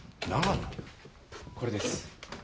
これです。